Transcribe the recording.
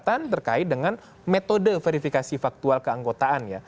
penguatan terkait dengan metode verifikasi faktual keanggotaan ya